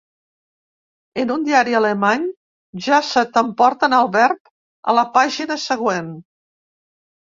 En un diari alemany ja se t'emporten el verb a la pàgina següent.